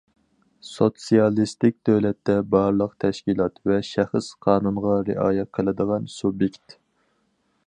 سوتسىيالىستىك دۆلەتتە بارلىق تەشكىلات ۋە شەخس قانۇنغا رىئايە قىلىدىغان سۇبيېكت.